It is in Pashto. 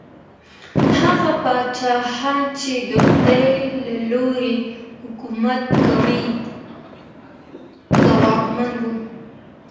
هغه پاچاهان چي د خدای له لورې حکومت کوي، ځواکمن وو.